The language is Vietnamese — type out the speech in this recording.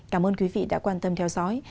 cảm ơn quý vị đã quan tâm theo dõi